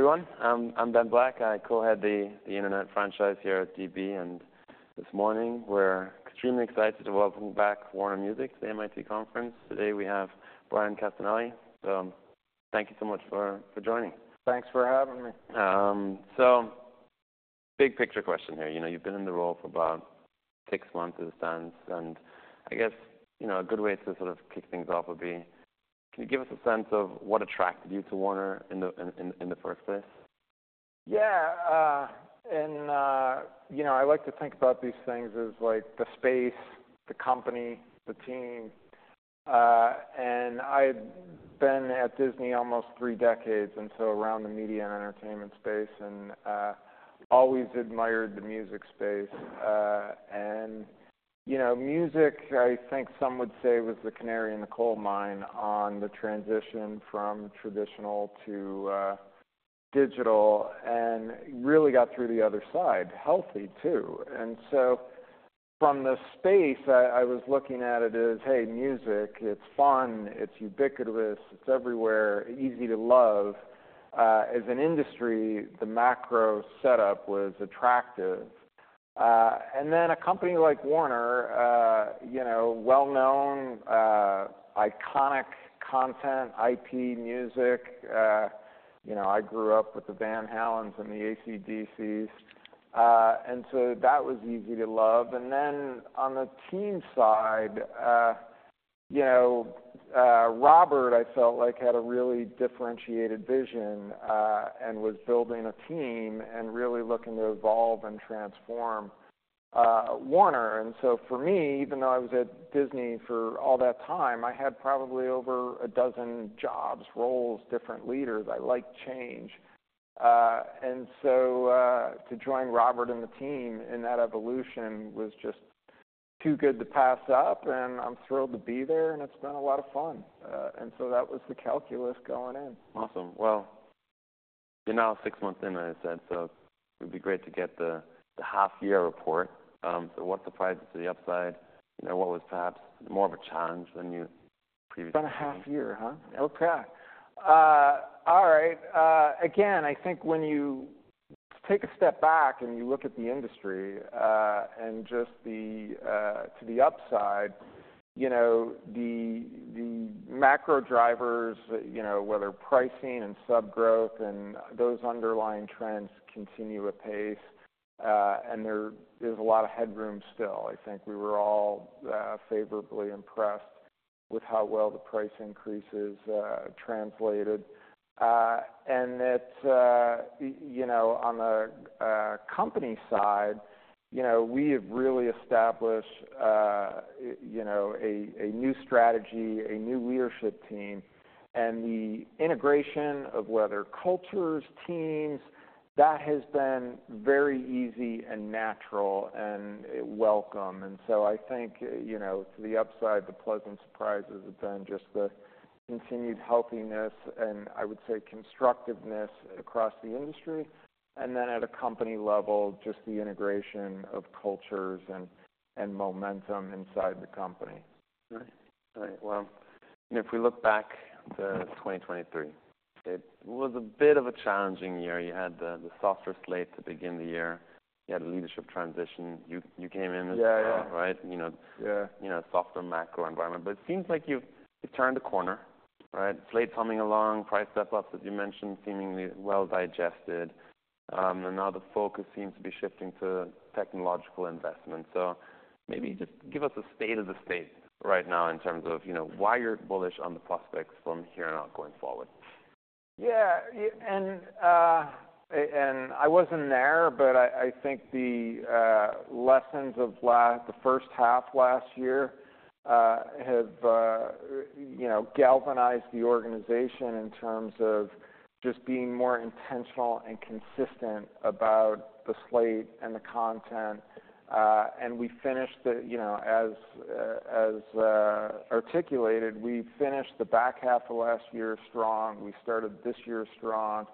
Everyone, I'm Ben Black. I co-head the Internet franchise here at DB. This morning we're extremely excited to welcome back Warner Music to the MIT conference. Today we have Bryan Castellani. Thank you so much for joining. Thanks for having me. Big picture question here. You know, you've been in the role for about six months as it stands. And I guess, you know, a good way to sort of kick things off would be, can you give us a sense of what attracted you to Warner in the first place? Yeah. You know, I like to think about these things as, like, the space, the company, the team. I'd been at Disney almost three decades, and so around the media and entertainment space. And always admired the music space. You know, music, I think some would say, was the canary in the coal mine on the transition from traditional to digital. And really got through the other side, healthy too. And so from the space, I was looking at it as, hey, music, it's fun, it's ubiquitous, it's everywhere, easy to love. As an industry, the macro setup was attractive. And then a company like Warner, you know, well-known, iconic content, IP music. You know, I grew up with the Van Halens and the AC/DCs. And so that was easy to love. And then on the team side, you know, Robert, I felt like had a really differentiated vision, and was building a team and really looking to evolve and transform Warner. And so for me, even though I was at Disney for all that time, I had probably over a dozen jobs, roles, different leaders. I liked change. And so, to join Robert and the team in that evolution was just too good to pass up. And I'm thrilled to be there. And it's been a lot of fun. And so that was the calculus going in. Awesome. Well, you're now six months in, as I said. So it'd be great to get the half-year report. So what surprised you to the upside? You know, what was perhaps more of a challenge than you previously expected? About a half-year, huh? Okay. All right. Again, I think when you take a step back and you look at the industry, and just the, to the upside, you know, the macro drivers, you know, whether pricing and sub growth and those underlying trends continue at pace. And there is a lot of headroom still. I think we were all, favorably impressed with how well the price increases, translated. And it's, you know, on the, company side, you know, we have really established, you know, a new strategy, a new leadership team. And the integration of whether cultures, teams, that has been very easy and natural and welcome. And so I think, you know, to the upside, the pleasant surprises have been just the continued healthiness and, I would say, constructiveness across the industry. And then at a company level, just the integration of cultures and momentum inside the company. All right. All right. Well, you know, if we look back to 2023, it was a bit of a challenging year. You had the softer slate to begin the year. You had a leadership transition. You came in as. Yeah. A, right? You know. Yeah. You know, a softer macro environment. But it seems like you've turned the corner, right? Slate humming along, price step-ups that you mentioned seemingly well digested. And now the focus seems to be shifting to technological investment. So maybe just give us a state of the state right now in terms of, you know, why you're bullish on the prospects from here on out going forward. Yeah. Yeah. And I wasn't there. But I think the lessons of the first half last year have, you know, galvanized the organization in terms of just being more intentional and consistent about the slate and the content. And we finished, you know, as articulated, the back half of last year strong. We started this year strong.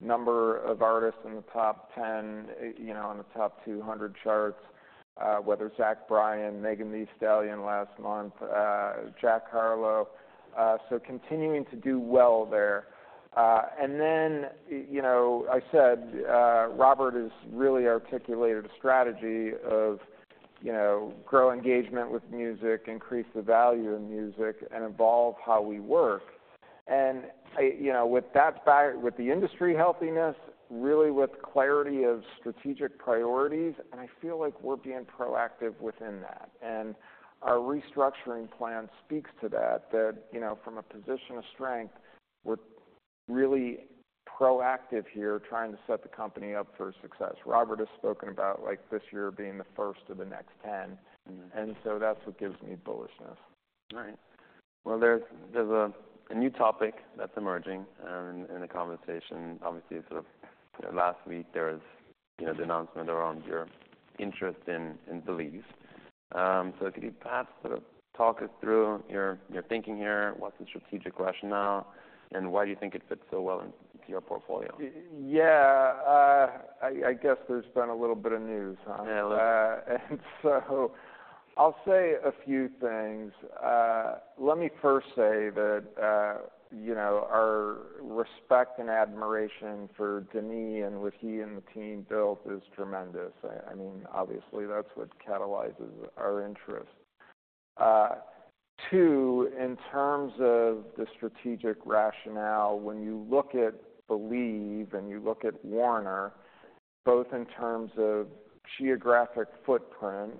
Number of artists in the top 10, you know, in the top 200 charts, whether Zach Bryan, Megan Thee Stallion last month, Jack Harlow. So continuing to do well there. And then, you know, I said, Robert has really articulated a strategy of, you know, grow engagement with music, increase the value of music, and evolve how we work. And, you know, with that, with the industry healthiness, really with clarity of strategic priorities, and I feel like we're being proactive within that. Our restructuring plan speaks to that, you know, from a position of strength, we're really proactive here trying to set the company up for success. Robert has spoken about, like, this year being the first of the next 10. Mm-hmm. That's what gives me bullishness. All right. Well, there's a new topic that's emerging in the conversation. Obviously, sort of, you know, last week there was, you know, the announcement around your interest in Believe. So could you perhaps sort of talk us through your thinking here, what's the strategic rationale, and why do you think it fits so well into your portfolio? Yeah. I guess there's been a little bit of news, huh? Yeah. A little. And so I'll say a few things. Let me first say that, you know, our respect and admiration for Denis and what he and the team built is tremendous. I mean, obviously, that's what catalyzes our interest. Two, in terms of the strategic rationale, when you look at Believe and you look at Warner, both in terms of geographic footprint,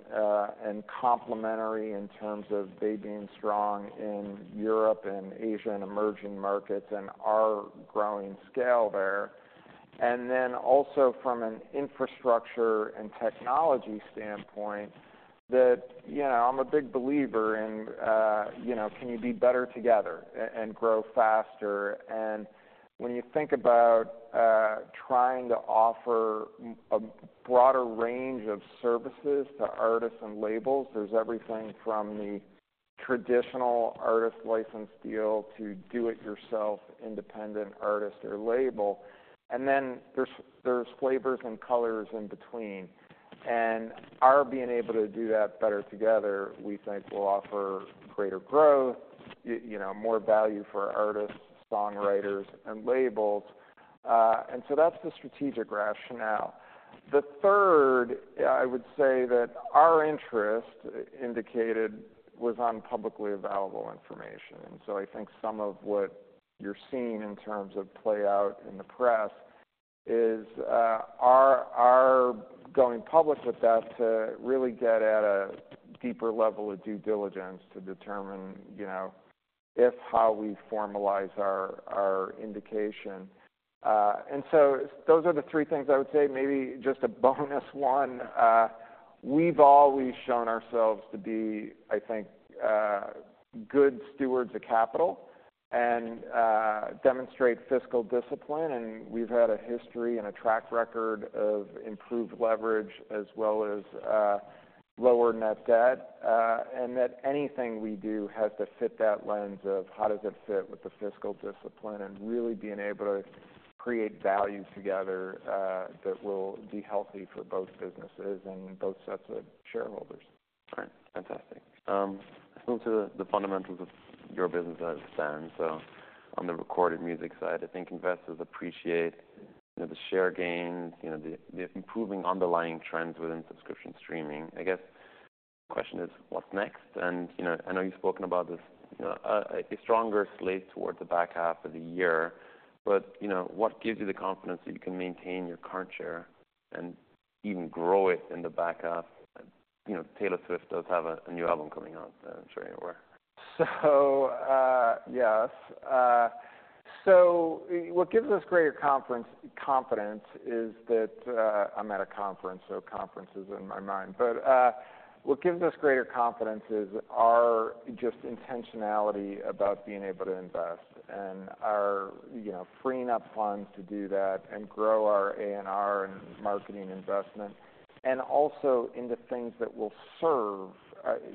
and complementary in terms of they being strong in Europe and Asia and emerging markets and our growing scale there. And then also from an infrastructure and technology standpoint, that, you know, I'm a big believer in, you know, can you be better together and and grow faster. And when you think about, trying to offer a broader range of services to artists and labels, there's everything from the traditional artist-licensed deal to do-it-yourself independent artist or label. And then there's there's flavors and colors in between. And our being able to do that better together, we think, will offer greater growth, you know, more value for artists, songwriters, and labels. And so that's the strategic rationale. The third, I would say, that our interest indicated was on publicly available information. And so I think some of what you're seeing in terms of playout in the press is our going public with that to really get at a deeper level of due diligence to determine, you know, if how we formalize our indication. And so those are the three things I would say. Maybe just a bonus one, we've always shown ourselves to be, I think, good stewards of capital and demonstrate fiscal discipline. We've had a history and a track record of improved leverage as well as lower net debt. and that anything we do has to fit that lens of how does it fit with the fiscal discipline and really being able to create value together, that will be healthy for both businesses and both sets of shareholders. All right. Fantastic. Moving to the fundamentals of your business as it stands. So on the recorded music side, I think investors appreciate, you know, the share gains, you know, the improving underlying trends within subscription streaming. I guess the question is, what's next? And, you know, I know you've spoken about this, you know, a stronger slate towards the back half of the year. But, you know, what gives you the confidence that you can maintain your current share and even grow it in the back half? You know, Taylor Swift does have a new album coming out, I'm sure you're aware. So, yes. So what gives us greater conference confidence is that, I'm at a conference, so conference is in my mind. But what gives us greater confidence is our just intentionality about being able to invest and our, you know, freeing up funds to do that and grow our A&R and marketing investment. And also into things that will serve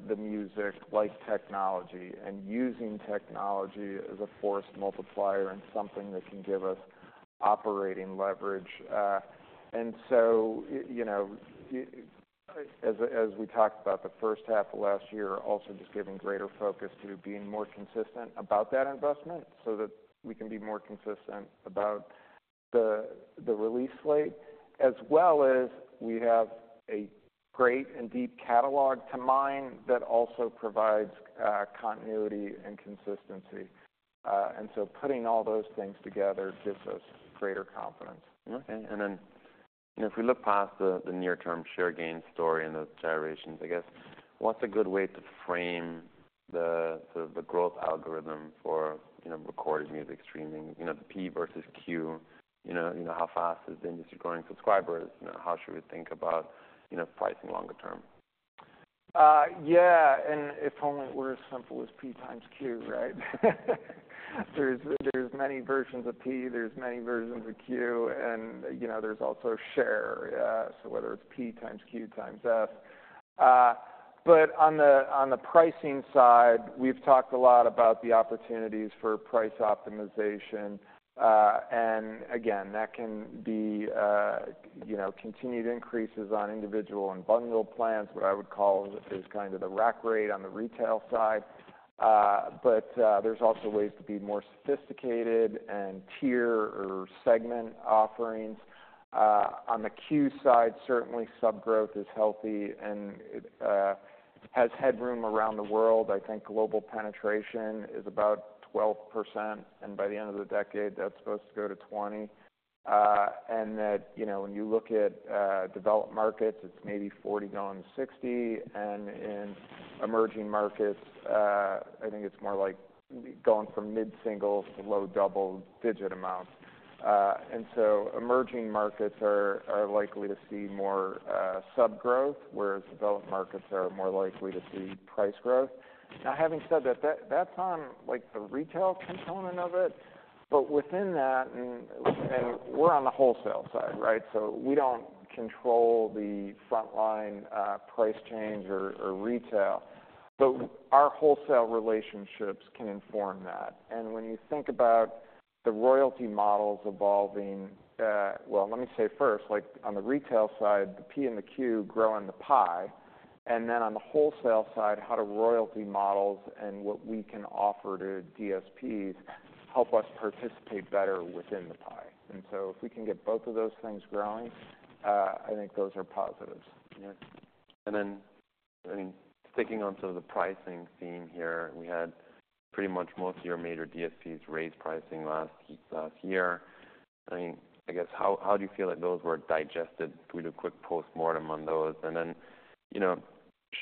the music like technology and using technology as a force multiplier and something that can give us operating leverage. And so, you know, as we talked about, the first half of last year also just giving greater focus to being more consistent about that investment so that we can be more consistent about the release slate. As well as we have a great and deep catalog to mine that also provides continuity and consistency. And so putting all those things together gives us greater confidence. Okay. And then, you know, if we look past the near-term share gain story and those gyrations, I guess, what's a good way to frame the sort of growth algorithm for, you know, recorded music streaming? You know, the P versus Q, you know, you know, how fast is the industry growing subscribers? You know, how should we think about, you know, pricing longer term? Yeah. If only it were as simple as P x Q, right? There's many versions of P. There's many versions of Q. And, you know, there's also share. So whether it's P x Q x F. But on the pricing side, we've talked a lot about the opportunities for price optimization. And again, that can be, you know, continued increases on individual and bundle plans, what I would call is kind of the rack rate on the retail side. But, there's also ways to be more sophisticated and tier or segment offerings. On the Q side, certainly sub growth is healthy and, has headroom around the world. I think global penetration is about 12%. By the end of the decade, that's supposed to go to 20%. And that, you know, when you look at, developed markets, it's maybe 40%-60%. In emerging markets, I think it's more like going from mid-singles to low double-digit amounts. So emerging markets are likely to see more sub growth, whereas developed markets are more likely to see price growth. Now, having said that, that's on, like, the retail component of it. But within that, and we're on the wholesale side, right? So we don't control the frontline price change or retail. But our wholesale relationships can inform that. And when you think about the royalty models evolving, well, let me say first, like, on the retail side, the P and the Q grow in the pie. And then on the wholesale side, how do royalty models and what we can offer to DSPs help us participate better within the pie? And so if we can get both of those things growing, I think those are positives. All right. And then, I mean, sticking on sort of the pricing theme here, we had pretty much most of your major DSPs raise pricing last year. I mean, I guess, how do you feel that those were digested? Can we do a quick postmortem on those? And then, you know,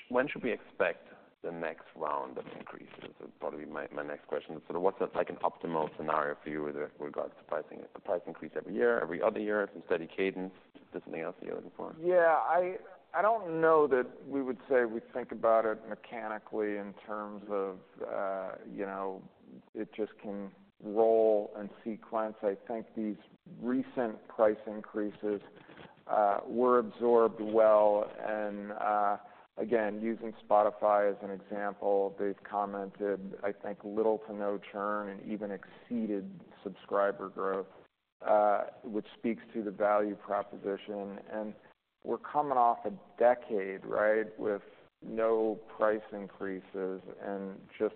when should we expect the next round of increases? That's probably my next question. So what's a, like, an optimal scenario for you with regards to pricing? A price increase every year, every other year, some steady cadence? Is there something else that you're looking for? Yeah. I don't know that we would say we think about it mechanically in terms of, you know, it just can roll and sequence. I think these recent price increases were absorbed well. And, again, using Spotify as an example, they've commented, I think, little to no churn and even exceeded subscriber growth, which speaks to the value proposition. And we're coming off a decade, right, with no price increases. And just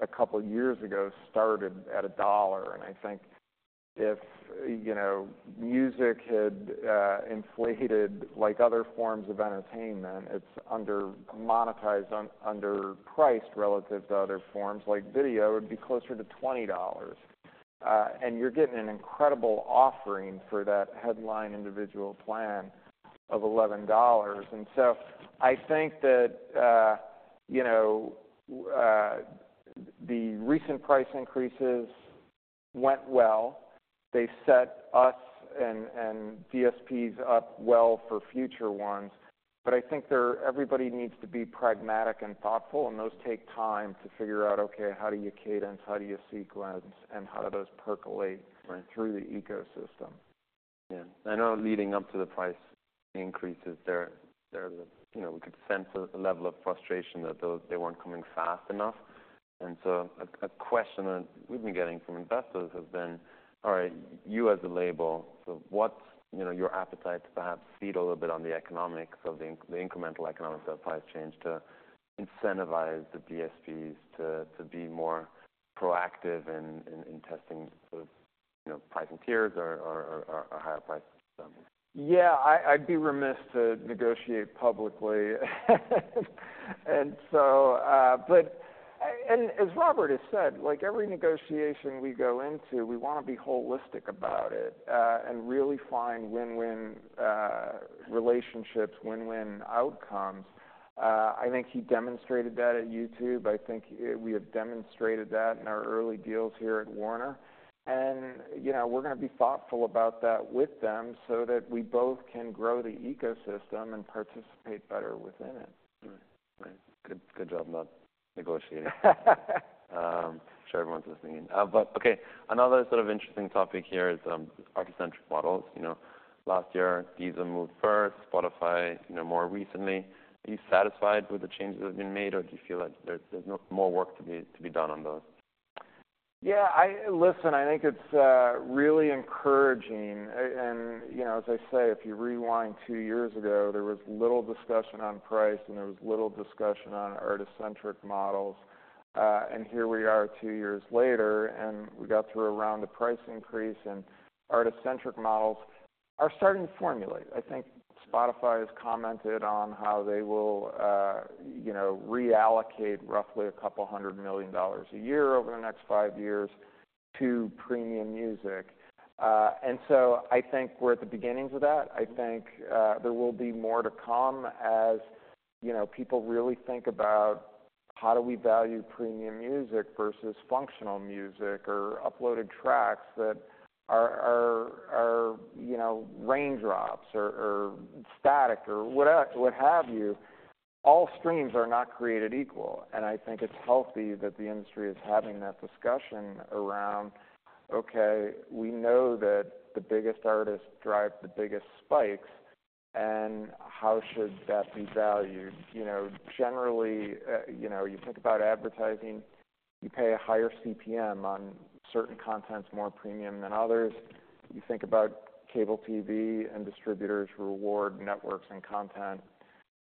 a couple years ago, started at $1. And I think if, you know, music had inflated like other forms of entertainment, it's under-monetized underpriced relative to other forms. Like video would be closer to $20. And you're getting an incredible offering for that headline individual plan of $11. And so I think that, you know, the recent price increases went well. They set us and DSPs up well for future ones. But I think they're, everybody needs to be pragmatic and thoughtful. Those take time to figure out, okay, how do you cadence? How do you sequence? And how do those percolate. Right. Through the ecosystem? Yeah. I know leading up to the price increases, there's a, you know, we could sense a level of frustration that they weren't coming fast enough. And so a question that we've been getting from investors has been, all right, you as a label, so what's, you know, your appetite to perhaps feed a little bit on the economics of the incremental economics of price change to incentivize the DSPs to be more proactive in testing sort of, you know, pricing tiers or higher price? Yeah. I'd be remiss to negotiate publicly. And so, but as Robert has said, like, every negotiation we go into, we wanna be holistic about it, and really find win-win relationships, win-win outcomes. I think he demonstrated that at YouTube. I think we have demonstrated that in our early deals here at Warner. And, you know, we're gonna be thoughtful about that with them so that we both can grow the ecosystem and participate better within it. All right. All right. Good job not negotiating. Sure everyone's listening. But okay. Another sort of interesting topic here is artist-centric models. You know, last year, Deezer moved first. Spotify, you know, more recently. Are you satisfied with the changes that have been made, or do you feel like there's no more work to be done on those? Yeah. Listen, I think it's really encouraging. And, you know, as I say, if you rewind two years ago, there was little discussion on price, and there was little discussion on artist-centric models. Here we are two years later, and we got through a round of price increase. Artist-centric models are starting to formulate. I think Spotify has commented on how they will, you know, reallocate roughly $200 million a year over the next five years to premium music. So I think we're at the beginnings of that. I think there will be more to come as, you know, people really think about how do we value premium music versus functional music or uploaded tracks that are, you know, raindrops or static or what have you. All streams are not created equal. I think it's healthy that the industry is having that discussion around, okay, we know that the biggest artists drive the biggest spikes. And how should that be valued? You know, generally, you know, you think about advertising. You pay a higher CPM on certain contents, more premium than others. You think about cable TV, and distributors reward networks and content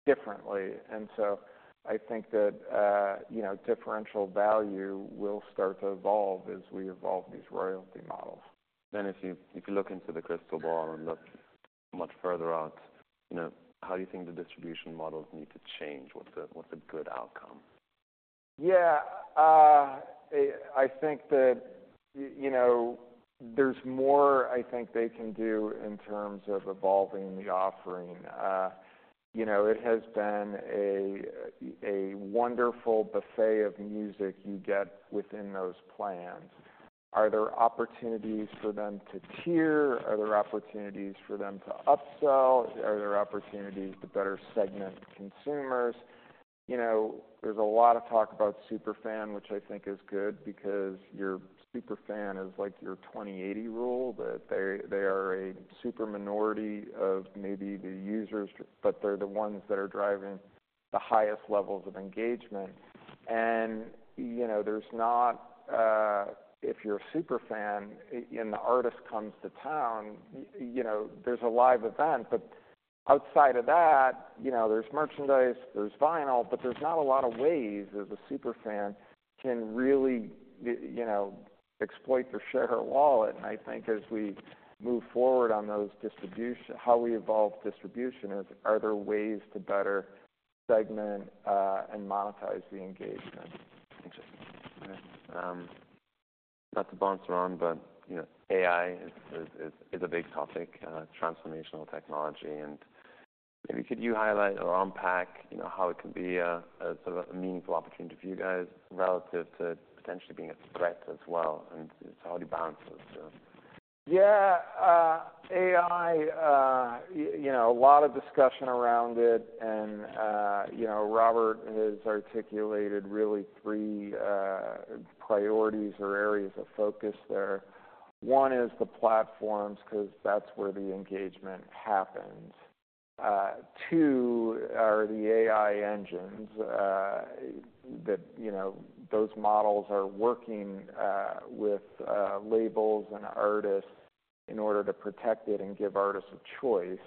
differently. And so I think that, you know, differential value will start to evolve as we evolve these royalty models. Then if you look into the crystal ball and look much further out, you know, how do you think the distribution models need to change? What's a good outcome? Yeah. I think that, you know, there's more I think they can do in terms of evolving the offering. You know, it has been a wonderful buffet of music you get within those plans. Are there opportunities for them to tier? Are there opportunities for them to upsell? Are there opportunities to better segment consumers? You know, there's a lot of talk about superfan, which I think is good because your superfan is like your 20/80 rule, that they are a super minority of maybe the users, but they're the ones that are driving the highest levels of engagement. You know, there's not, if you're a superfan, and the artist comes to town, you know, there's a live event. But outside of that, you know, there's merchandise. There's vinyl. There's not a lot of ways as a superfan can really, you know, exploit their share of wallet. I think as we move forward on those distribution how we evolve distribution is, are there ways to better segment and monetize the engagement? Interesting. All right. Not to bounce around, but, you know, AI is a big topic, transformational technology. And maybe could you highlight or unpack, you know, how it can be a sort of a meaningful opportunity for you guys relative to potentially being a threat as well? And so how do you balance those two? Yeah. AI, you know, a lot of discussion around it. And, you know, Robert has articulated really three priorities or areas of focus there. One is the platforms 'cause that's where the engagement happens. Two are the AI engines, that you know those models are working with labels and artists in order to protect it and give artists a choice.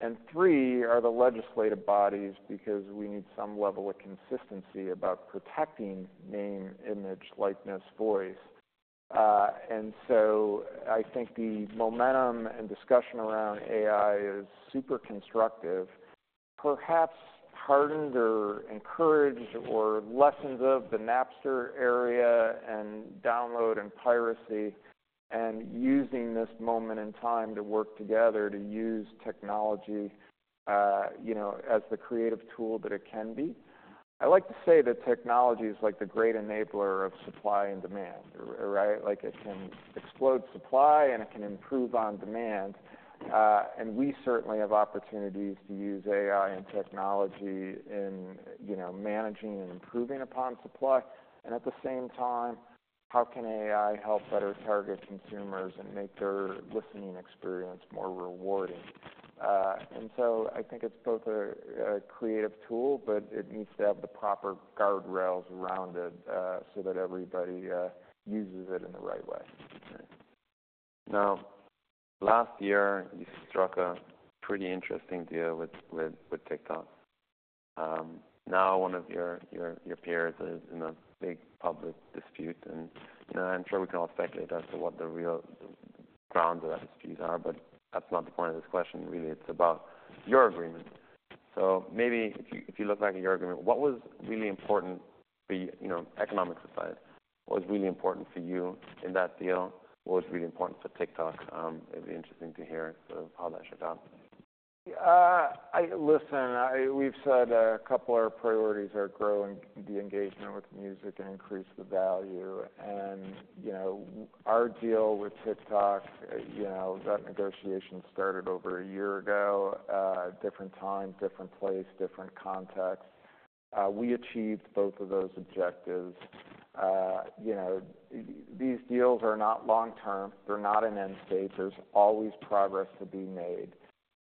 And three are the legislative bodies because we need some level of consistency about protecting name, image, likeness, voice. And so I think the momentum and discussion around AI is super constructive. Perhaps hardened or encouraged or lessons of the Napster era and download and piracy and using this moment in time to work together to use technology, you know, as the creative tool that it can be. I like to say that technology is like the great enabler of supply and demand, right? Like, it can explode supply, and it can improve on demand. We certainly have opportunities to use AI and technology in, you know, managing and improving upon supply. And at the same time, how can AI help better target consumers and make their listening experience more rewarding? So I think it's both a creative tool, but it needs to have the proper guardrails around it, so that everybody uses it in the right way. All right. Now, last year, you struck a pretty interesting deal with TikTok. Now one of your peers is in a big public dispute. And, you know, I'm sure we can all speculate as to what the real grounds of that dispute are. But that's not the point of this question, really. It's about your agreement. So maybe if you look back at your agreement, what was really important for you, you know, economically, socially? What was really important for you in that deal? What was really important for TikTok? It'd be interesting to hear sort of how that shook out. I listen. We've said a couple of our priorities are growing the engagement with music and increase the value. And, you know, our deal with TikTok, you know, that negotiation started over a year ago. Different time, different place, different context. We achieved both of those objectives. You know, these deals are not long term. They're not an end state. There's always progress to be made.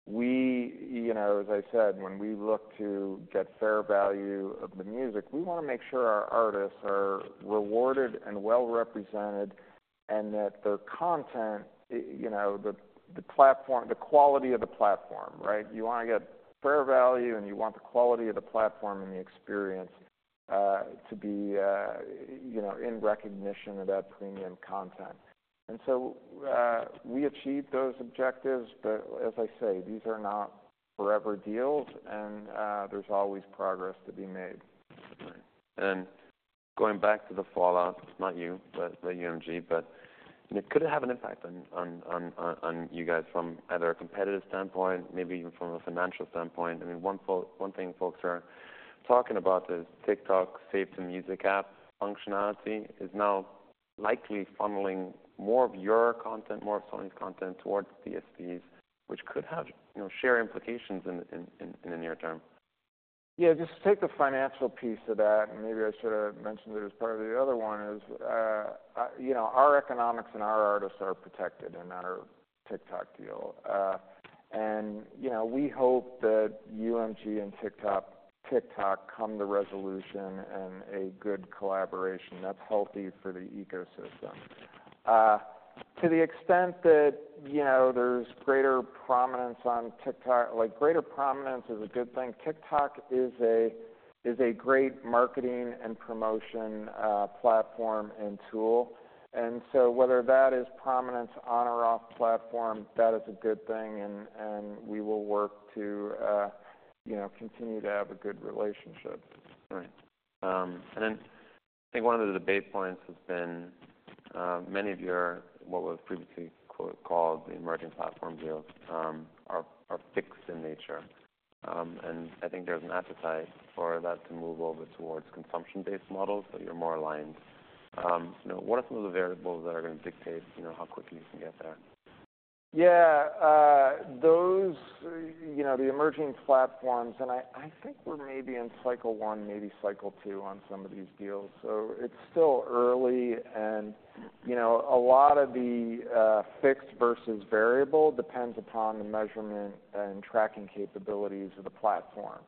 We, you know, as I said, when we look to get fair value of the music, we wanna make sure our artists are rewarded and well-represented and that their content, you know, the platform, the quality of the platform, right? You wanna get fair value, and you want the quality of the platform and the experience, to be, you know, in recognition of that premium content. And so, we achieved those objectives. But as I say, these are not forever deals. There's always progress to be made. All right. And going back to the fallout, not you, but the UMG. But, you know, could it have an impact on you guys from either a competitive standpoint, maybe even from a financial standpoint? I mean, one thing folks are talking about is TikTok's Save to Music app functionality is now likely funneling more of your content, more of Sony's content, towards DSPs, which could have, you know, share implications in the near term. Yeah. Just take the financial piece of that. Maybe I should have mentioned it as part of the other one is, you know, our economics and our artists are protected in our TikTok deal. You know, we hope that UMG and TikTok come to resolution in a good collaboration. That's healthy for the ecosystem. To the extent that, you know, there's greater prominence on TikTok like, greater prominence is a good thing. TikTok is a great marketing and promotion platform and tool. So whether that is prominence on or off platform, that is a good thing. And we will work to, you know, continue to have a good relationship. All right. Then I think one of the debate points has been, many of your what was previously quote called the emerging platform deals are fixed in nature. I think there's an appetite for that to move over towards consumption-based models that you're more aligned. You know, what are some of the variables that are gonna dictate, you know, how quickly you can get there? Yeah. Those, you know, the emerging platforms and I think we're maybe in cycle one, maybe cycle two on some of these deals. So it's still early. And, you know, a lot of the, fixed versus variable depends upon the measurement and tracking capabilities of the platform.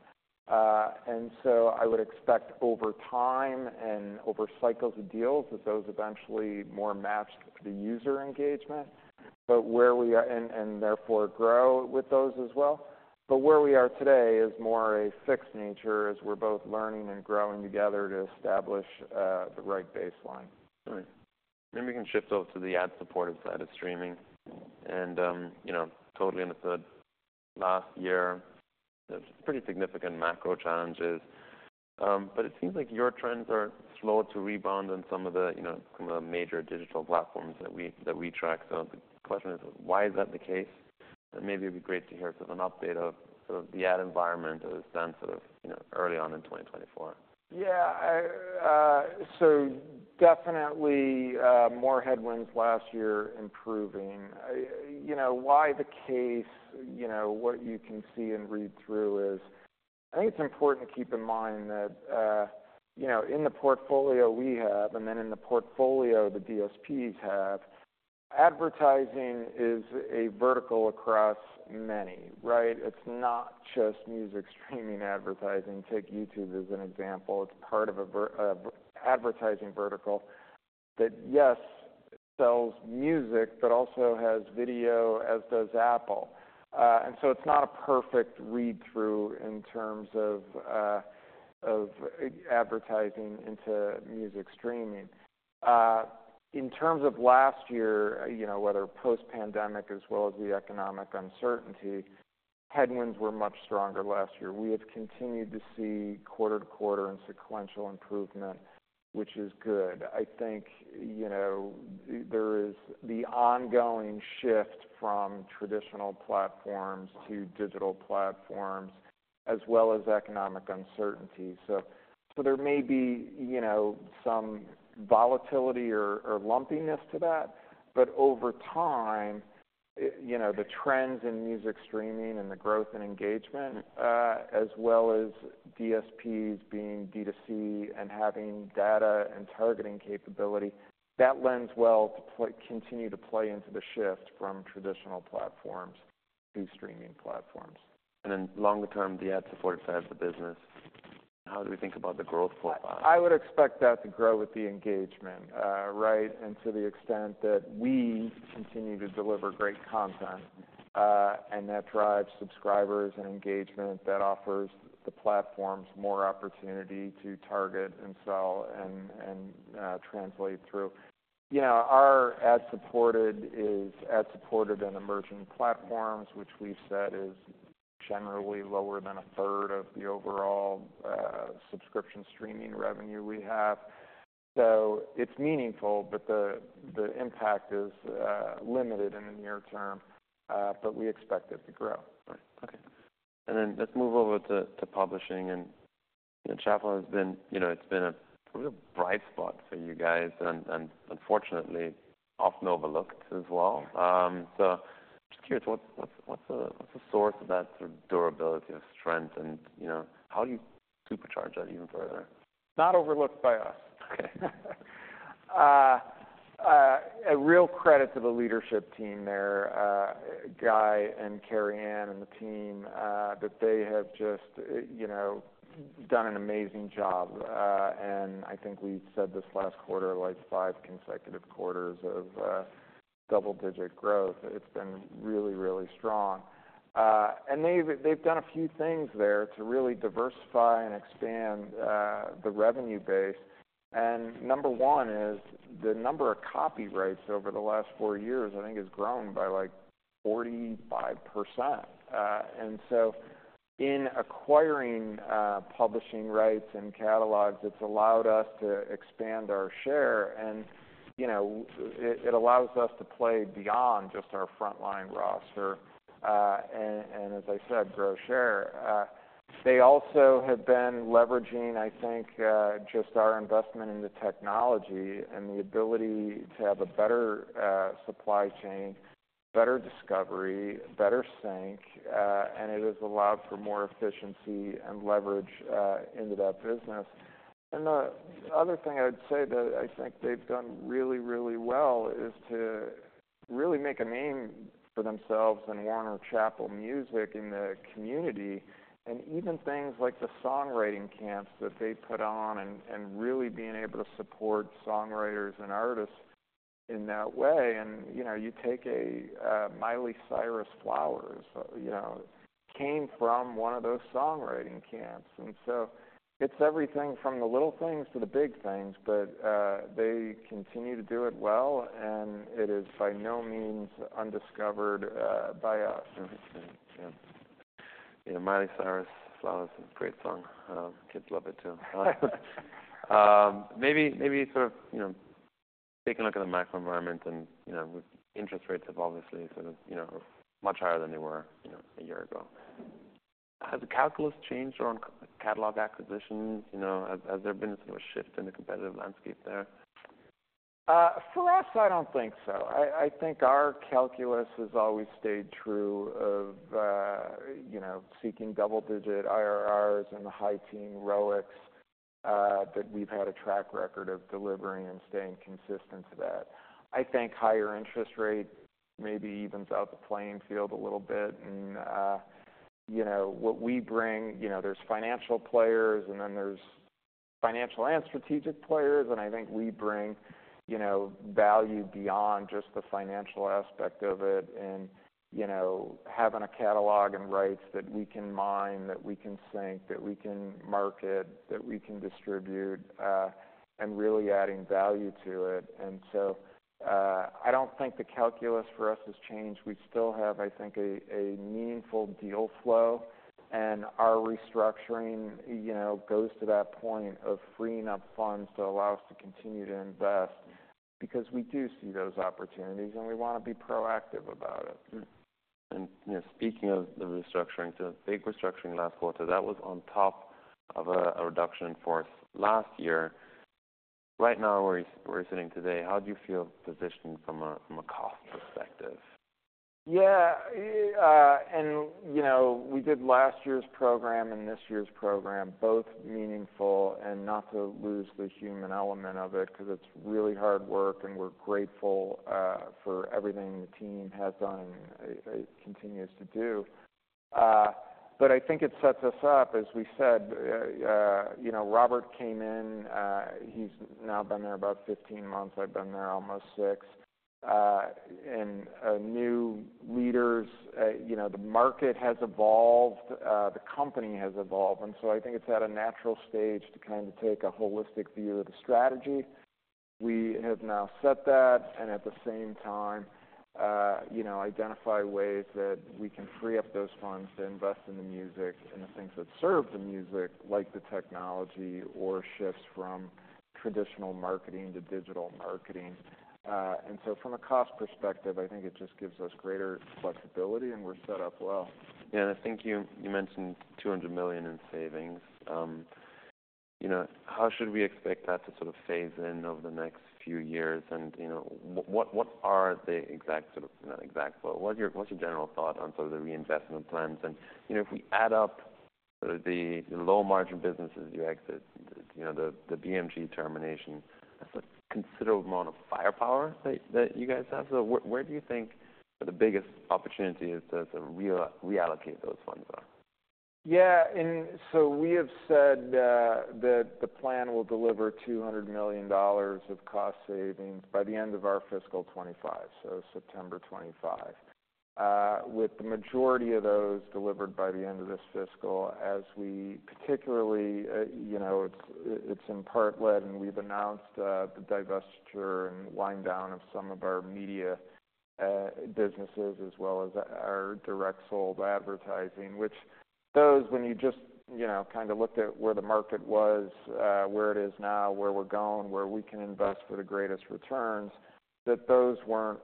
And so I would expect over time and over cycles of deals that those eventually more match the user engagement. But where we are and therefore grow with those as well. But where we are today is more a fixed nature as we're both learning and growing together to establish the right baseline. All right. Maybe we can shift over to the ad-supported side of streaming. And, you know, totally understood. Last year, there's pretty significant macro challenges. But it seems like your trends are slow to rebound in some of the, you know, some of the major digital platforms that we track. So the question is, why is that the case? And maybe it'd be great to hear sort of an update of sort of the ad environment as it stands sort of, you know, early on in 2024. Yeah. So definitely, more headwinds last year improving. You know, why the case, you know, what you can see and read-through is I think it's important to keep in mind that, you know, in the portfolio we have and then in the portfolio the DSPs have, advertising is a vertical across many, right? It's not just music streaming advertising. Take YouTube as an example. It's part of a vertical advertising vertical that, yes, sells music but also has video as does Apple. And so it's not a perfect read-through in terms of advertising into music streaming. In terms of last year, you know, whether post-pandemic as well as the economic uncertainty, headwinds were much stronger last year. We have continued to see quarter-to-quarter and sequential improvement, which is good. I think, you know, there is the ongoing shift from traditional platforms to digital platforms as well as economic uncertainty. So so there may be, you know, some volatility or or lumpiness to that. But over time, you know, the trends in music streaming and the growth in engagement, as well as DSPs being D2C and having data and targeting capability, that lends well to play continue to play into the shift from traditional platforms to streaming platforms. Longer term, the ad-supported side of the business. How do we think about the growth profile? I would expect that to grow with the engagement, right? And to the extent that we continue to deliver great content, and that drives subscribers and engagement, that offers the platforms more opportunity to target and sell and translate through. You know, our ad-supported is ad-supported in emerging platforms, which we've said is generally lower than a third of the overall subscription streaming revenue we have. So it's meaningful. But the impact is limited in the near term, but we expect it to grow. All right. Okay. And then let's move over to publishing. And, you know, Chappell has been, you know, it's been a real bright spot for you guys and unfortunately often overlooked as well. So just curious, what's the source of that sort of durability of strength? And, you know, how do you supercharge that even further? Not overlooked by us. Okay. A real credit to the leadership team there, Guy and Carianne and the team, that they have just, you know, done an amazing job. I think we said this last quarter, like 5 consecutive quarters of double-digit growth. It's been really, really strong. They've done a few things there to really diversify and expand the revenue base. Number one is the number of copyrights over the last four years, I think, has grown by like 45%. So in acquiring publishing rights and catalogs, it's allowed us to expand our share. You know, it allows us to play beyond just our frontline roster, and, as I said, grow share. They also have been leveraging, I think, just our investment in the technology and the ability to have a better supply chain, better discovery, better sync. It has allowed for more efficiency and leverage into that business. The other thing I would say that I think they've done really, really well is to really make a name for themselves in Warner Chappell Music in the community and even things like the songwriting camps that they put on and really being able to support songwriters and artists in that way. And, you know, you take a Miley Cyrus Flowers, you know, came from one of those songwriting camps. So it's everything from the little things to the big things. They continue to do it well. It is by no means undiscovered by us. Yeah. Yeah. You know, Miley Cyrus' "Flowers" is a great song. Kids love it too. Maybe sort of, you know, take a look at the macro environment. You know, interest rates have obviously sort of, you know, much higher than they were, you know, a year ago. Has the calculus changed around catalog acquisition? You know, has there been sort of a shift in the competitive landscape there? For us, I don't think so. I think our calculus has always stayed true to, you know, seeking double-digit IRRs and the high-teens ROICs, that we've had a track record of delivering and staying consistent to that. I think higher interest rate maybe evens out the playing field a little bit. And, you know, what we bring, you know, there's financial players. And then there's financial and strategic players. And I think we bring, you know, value beyond just the financial aspect of it in, you know, having a catalog and rights that we can mine, that we can sync, that we can market, that we can distribute, and really adding value to it. And so, I don't think the calculus for us has changed. We still have, I think, a meaningful deal flow. Our restructuring, you know, goes to that point of freeing up funds to allow us to continue to invest because we do see those opportunities. We wanna be proactive about it. Mm-hmm. And, you know, speaking of the restructuring, so big restructuring last quarter. That was on top of a reduction for us last year. Right now where we're sitting today, how do you feel positioned from a cost perspective? Yeah, you know, we did last year's program and this year's program, both meaningful and not to lose the human element of it 'cause it's really hard work. And we're grateful for everything the team has done and continues to do. I think it sets us up, as we said, you know, Robert came in. He's now been there about 15 months. I've been there almost six. New leaders, you know, the market has evolved. The company has evolved. And so I think it's at a natural stage to kinda take a holistic view of the strategy. We have now set that. And at the same time, you know, identify ways that we can free up those funds to invest in the music and the things that serve the music like the technology or shifts from traditional marketing to digital marketing. From a cost perspective, I think it just gives us greater flexibility. We're set up well. Yeah. And I think you mentioned $200 million in savings. You know, how should we expect that to sort of phase in over the next few years? And, you know, what are the exact sort of not exact, but what's your general thought on sort of the reinvestment plans? And, you know, if we add up sort of the low-margin businesses you exit, you know, the BMG termination, that's a considerable amount of firepower that you guys have. So where do you think the biggest opportunity is to reallocate those funds are? Yeah. And so we have said that the plan will deliver $200 million of cost savings by the end of our fiscal 2025, so September 2025, with the majority of those delivered by the end of this fiscal as we particularly, you know, it's in part led. And we've announced the divestiture and wind down of some of our media businesses as well as our direct-sold advertising, which those, when you just, you know, kinda looked at where the market was, where it is now, where we're going, where we can invest for the greatest returns, that those weren't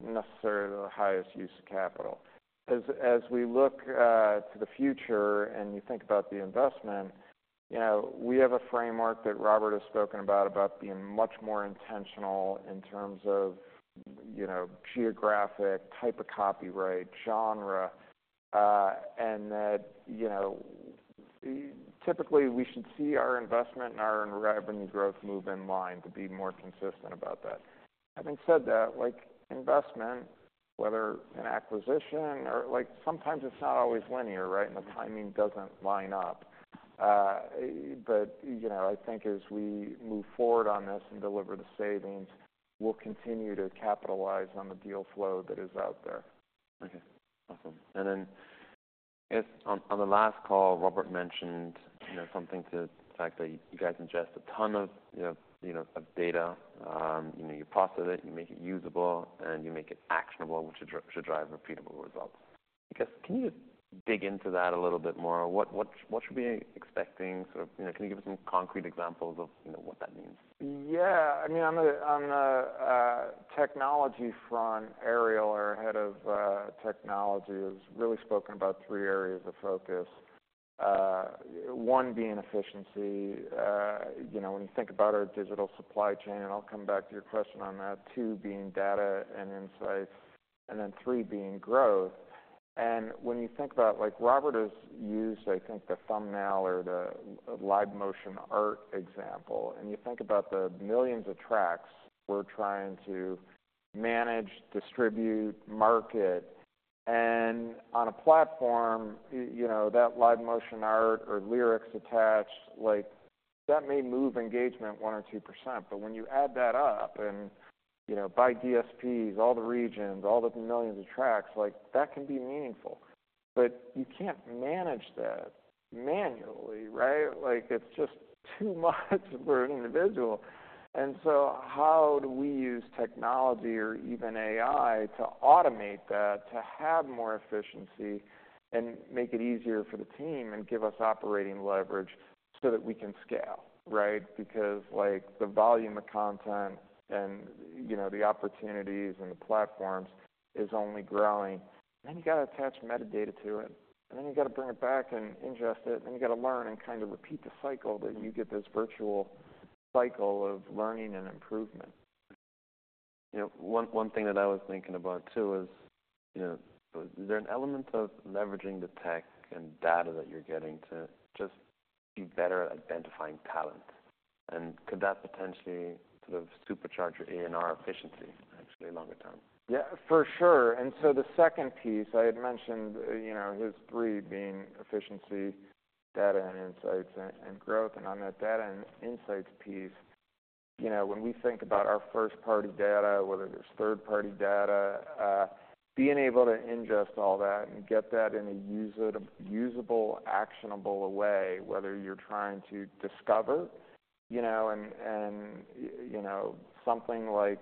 necessarily the highest use of capital. As we look to the future and you think about the investment, you know, we have a framework that Robert has spoken about, about being much more intentional in terms of, you know, geographic, type of copyright, genre, and that, you know, typically, we should see our investment and our revenue growth move in line to be more consistent about that. Having said that, like, investment, whether an acquisition or like, sometimes it's not always linear, right? And the timing doesn't line up. But, you know, I think as we move forward on this and deliver the savings, we'll continue to capitalize on the deal flow that is out there. Okay. Awesome. And then I guess on the last call, Robert mentioned, you know, something to the fact that you guys ingest a ton of, you know, of data. You know, you process it. You make it usable. And you make it actionable, which should drive repeatable results. I guess can you just dig into that a little bit more? What should we be expecting sort of, you know, can you give us some concrete examples of, you know, what that means? Yeah. I mean, on the technology front, Ariel, our head of technology, has really spoken about three areas of focus, one being efficiency, you know, when you think about our digital supply chain. I'll come back to your question on that. Two being data and insights. Then three being growth. When you think about, like, Robert has used, I think, the thumbnail or the live-motion art example. You think about the millions of tracks we're trying to manage, distribute, market. On a platform, you know, that live-motion art or lyrics attached, like, that may move engagement 1% or 2%. But when you add that up and, you know, by DSPs, all the regions, all the millions of tracks, like, that can be meaningful. But you can't manage that manually, right? Like, it's just too much for an individual. And so how do we use technology or even AI to automate that, to have more efficiency, and make it easier for the team, and give us operating leverage so that we can scale, right? Because, like, the volume of content and, you know, the opportunities and the platforms is only growing. And then you gotta attach metadata to it. And then you gotta bring it back and ingest it. And then you gotta learn and kinda repeat the cycle that you get this virtual cycle of learning and improvement. You know, one thing that I was thinking about too is, you know, is there an element of leveraging the tech and data that you're getting to just be better at identifying talent? And could that potentially sort of supercharge your A&R efficiency, actually, longer term? Yeah. For sure. And so the second piece I had mentioned, you know, his three being efficiency, data, and insights, and growth. And on that data and insights piece, you know, when we think about our first-party data, whether there's third-party data, being able to ingest all that and get that in a usable, actionable way, whether you're trying to discover, you know, and, you know, something like,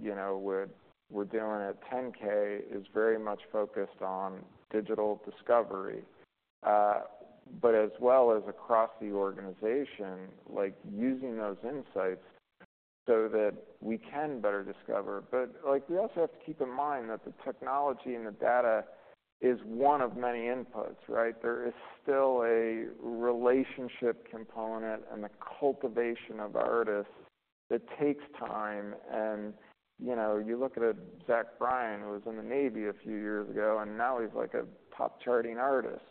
you know, what we're doing at 10K is very much focused on digital discovery, but as well as across the organization, like, using those insights so that we can better discover. But, like, we also have to keep in mind that the technology and the data is one of many inputs, right? There is still a relationship component and the cultivation of artists that takes time. You know, you look at a Zach Bryan who was in the Navy a few years ago. Now he's, like, a top-charting artist.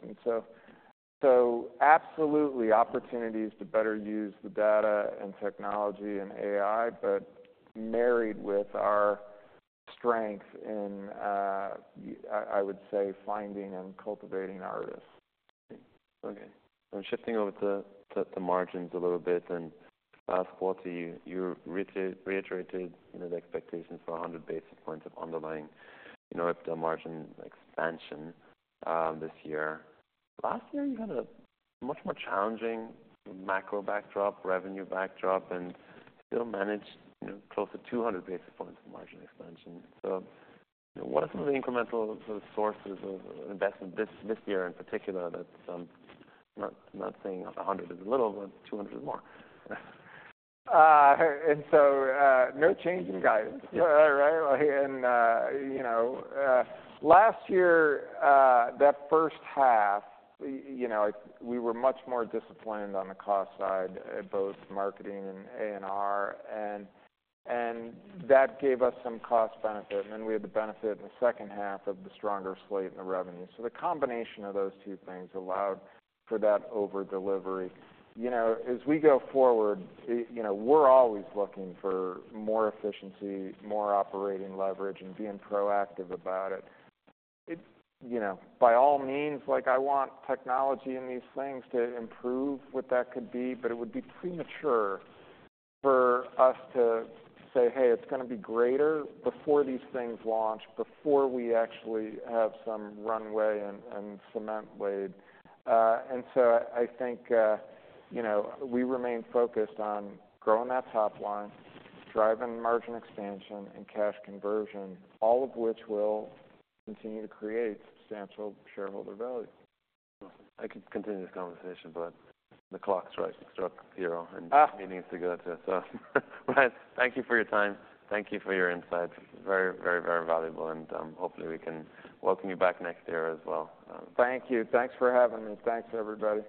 Absolutely, opportunities to better use the data and technology and AI, but married with our strength in, I would say, finding and cultivating artists. Okay. And shifting over to the margins a little bit and last quarter, you reiterated, you know, the expectations for 100 basis points of underlying, you know, margin expansion, this year. Last year, you had a much more challenging macro backdrop, revenue backdrop, and still managed, you know, close to 200 basis points of margin expansion. So, you know, what are some of the incremental sort of sources of investment this year in particular that's, not saying 100 is a little, but 200 is more? And so, no change in guidance, right? And, you know, last year, that first half, you know, we were much more disciplined on the cost side, both marketing and A&R. And that gave us some cost benefit. And then we had the benefit in the second half of the stronger slate in the revenue. So the combination of those two things allowed for that overdelivery. You know, as we go forward, you know, we're always looking for more efficiency, more operating leverage, and being proactive about it. It, you know, by all means, like, I want technology in these things to improve what that could be. But it would be premature for us to say, "Hey, it's gonna be greater before these things launch, before we actually have some runway and cement laid." And so I think, you know, we remain focused on growing that top line, driving margin expansion, and cash conversion, all of which will continue to create substantial shareholder value. Awesome. I could continue this conversation. But the clock has just struck zero. And that means it's time to go, so. Bryan, thank you for your time. Thank you for your insights. Very, very, very valuable. Hopefully, we can welcome you back next year as well. Thank you. Thanks for having me. Thanks, everybody.